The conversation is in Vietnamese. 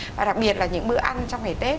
và đặc biệt là những bữa ăn trong ngày tết